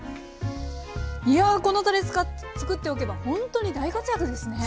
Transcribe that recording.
いやこのたれ作っておけばほんとに大活躍ですね！